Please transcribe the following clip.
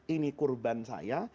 ini kurban saya